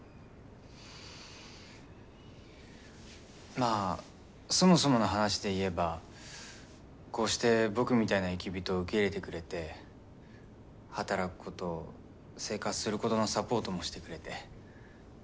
まあそもそもの話で言えばこうして僕みたいな雪人を受け入れてくれて働くこと生活することのサポートもしてくれて。